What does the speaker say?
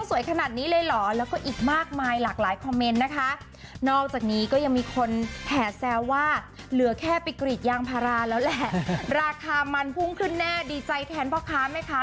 ว่าเหลือแค่ปริกริดยางพาราแล้วแหละราคามันพุ่งขึ้นแน่ดีใจแทนพ่อค้าไหมคะ